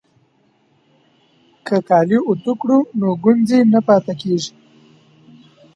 که کالي اوتو کړو نو ګونځې نه پاتې کیږي.